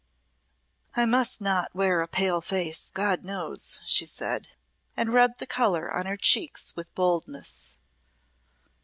"I must not wear a pale face, God knows," she said, and rubbed the colour on her cheeks with boldness.